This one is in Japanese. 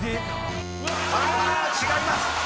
［違います。